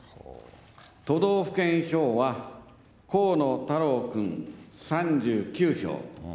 都道府県票は河野太郎君、３９票。